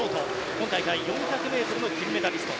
今大会４００ｍの金メダリスト。